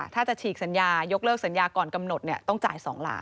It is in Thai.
ถ้าจะฉีกสัญญายกเลิกสัญญาก่อนกำหนดต้องจ่าย๒ล้าน